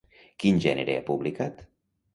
Quin gènere ha publicat?